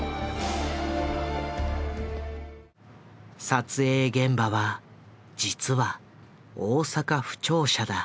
撮影現場は実は大阪府庁舎だ。